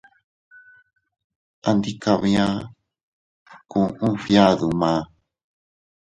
Andikabia, kuu a fgiadu ma.